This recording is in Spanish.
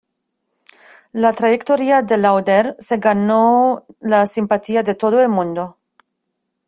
La trayectoria de Lauder se ganó la simpatía de todo el mundo.